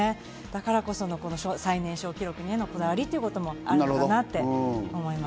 だからこそ最年少記録へのこだわりもあるのかなって思います。